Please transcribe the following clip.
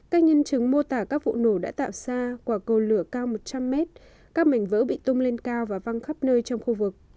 các nhân chứng mô tả các vụ nổ đã tạo ra quả cầu lửa cao một trăm linh mét các mảnh vỡ bị tung lên cao và văng khắp nơi trong khu vực